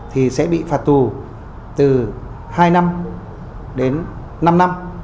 thì sẽ bị phạt tù từ hai năm đến năm năm